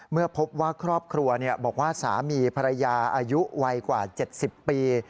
เมื่อพบว่าครอบครัวบอกว่าสามีภรรยาอายุวัยกว่า๗๐ปี